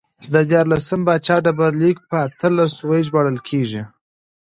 د دیارلسم پاچا ډبرلیک په اتلس سوی ژباړل کېږي